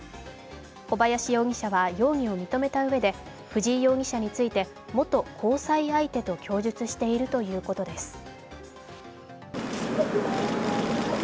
小林容疑者は容疑を認めたうえで、藤井容疑者について元交際相手と供述しているということです。